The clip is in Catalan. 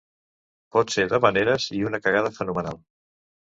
Pot ser d'havaneres i una cagada fenomenal.